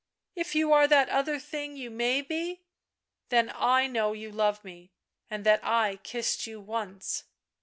" If you are that other thing you may be, then I know you love me, and that I kissed you once.